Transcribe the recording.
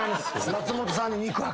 松本さんに肉薄。